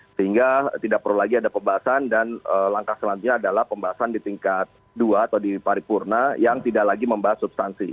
sehingga tidak perlu lagi ada pembahasan dan langkah selanjutnya adalah pembahasan di tingkat dua atau di paripurna yang tidak lagi membahas substansi